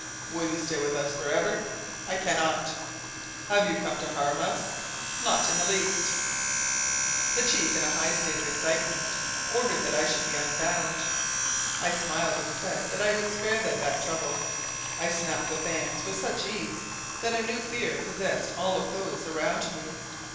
"Will you stay with us forever?" "I cannot." "Have you come to harm us?" "Not in the least." The chief in a high state of excitement ordered that I should be unbound. I smiled and said that I would spare them that trouble. I snapped the bands with such ease that a new fear possessed all of those around me.